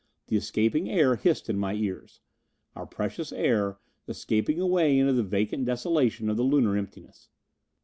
The escaping air hissed in my ears. Our precious air, escaping away into the vacant desolation of the Lunar emptiness.